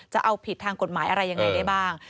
จะเอาผิดทางกฎหมายอะไรยังไงได้บ้าง